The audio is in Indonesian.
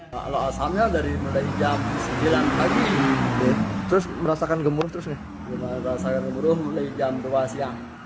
pada jam sembilan pagi terus merasakan gemuruh mulai jam dua siang